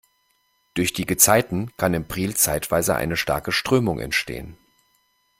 Durch die Gezeiten kann im Priel zeitweise eine starke Strömung entstehen.